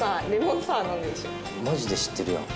マジで知ってるやん。